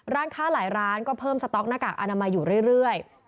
ร้านค้าหลายร้านก็เพิ่มสต๊อกหน้ากากอนามัยอยู่เรื่อย